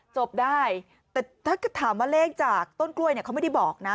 จบได้แต่ถ้าถามว่าเลขจากต้นกล้วยเนี่ยเขาไม่ได้บอกนะ